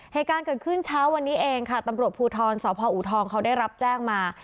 เหตุการณ์เกิดขึ้นเช้าวันนี้เองค่ะตำรวจภูทรสพอูทองเขาได้รับแจ้งมา